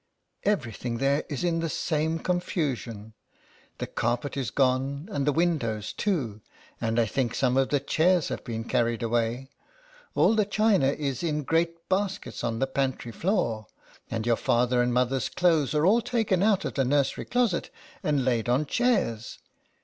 Every thing there is in the same confusion ; the 42 LETTERS FROM A CAT. carpet is gone; and the windows too, and I think some of the chairs have been carried away. All the china is in great baskets on the pantry floor; and your father and mother's clothes are all taken out of the nur sery closet, and laid on chairs.